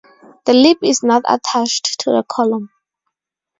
The lip is not attached to the column.